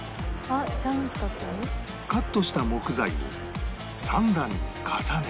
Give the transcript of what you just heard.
カットした木材を３段に重ね